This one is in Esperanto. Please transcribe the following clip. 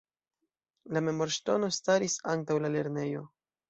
La memorŝtono staris antaŭ la lernejo.